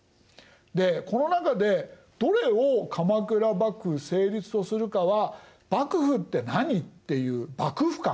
でこの中でどれを鎌倉幕府成立とするかは「幕府って何？」っていう幕府観。